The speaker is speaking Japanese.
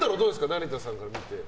成田さんから見て。